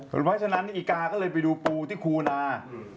เพราะฉะนั้นนี่อีกาก็เลยไปดูปูที่คูนา